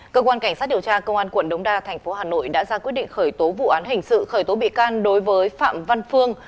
cơ quan cảnh sát điều tra công an quận đống đa thành phố hà nội đã ra quyết định khởi tố vụ án hình sự khởi tố bị can đối với phạm văn phương